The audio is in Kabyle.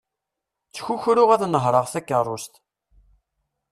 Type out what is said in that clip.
Ttkukruɣ ad nehreɣ takerrust.